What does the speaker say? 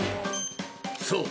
［そう。